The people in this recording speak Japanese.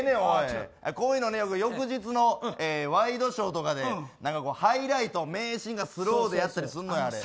こういうの翌日のワイドショーとかでハイライト名シーンスローでやったりするのよ。